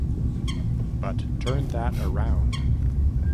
But turn that around.